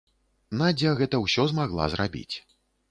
Надзя гэта ўсё змагла зрабіць.